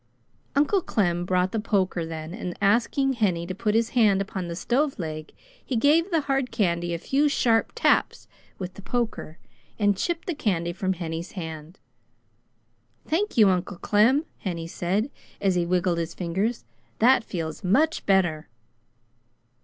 Uncle Clem brought the poker then and, asking Henny to put his hand upon the stove leg, he gave the hard candy a few sharp taps with the poker and chipped the candy from Henny's hand. "Thank you, Uncle Clem!" Henny said, as he wiggled his fingers. "That feels much better!"